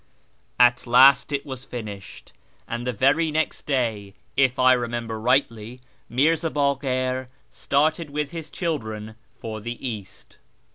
At last it was INTRODUCTORY 15 finished, and the very next day, if I remember rightly, Mirza Bakir started with his children for the East.